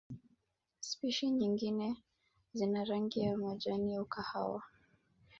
Spishi nyingine zina rangi ya majani au kahawa.